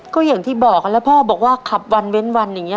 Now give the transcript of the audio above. ก็อย่างที่บอกกันแล้วพ่อบอกว่าขับวันเว้นวันอย่างนี้